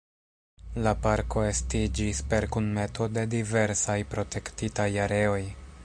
La parko estiĝis per kunmeto de diversaj protektitaj areoj.